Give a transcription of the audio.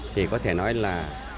thì có thể nói là